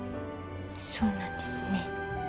そうなんですね。